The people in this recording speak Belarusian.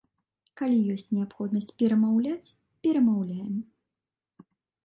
Калі ёсць неабходнасць перамаўляць, перамаўляем.